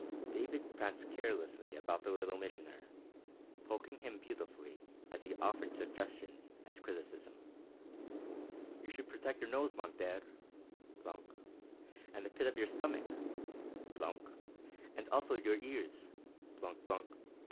David pranced carelessly about the Little Missioner, poking him beautifully as he offered suggestions and criticism. "You should protect your nose, mon Père" plunk! "And the pit of your stomach" plunk! "And also your ears" plunk, plunk!